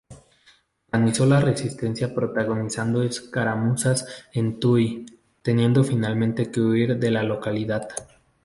Organizó la resistencia protagonizando escaramuzas en Tuy, teniendo finalmente que huir de la localidad.